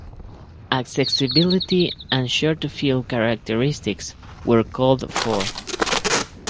Accessibility and short field characteristics were called for.